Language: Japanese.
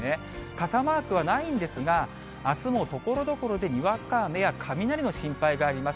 傘マークはないんですが、あすもところどころでにわか雨や雷の心配があります。